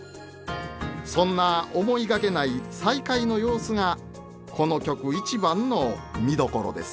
そんな思いがけない再会の様子がこの曲一番の見どころです。